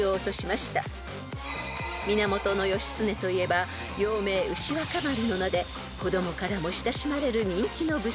［源義経といえば幼名牛若丸の名で子供からも親しまれる］